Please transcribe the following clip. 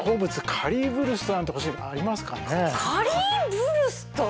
カリーヴルスト？